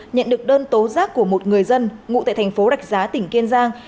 nhận được đơn tố giác của một người dân ngụ tại thành phố đạch giá tỉnh kiên giang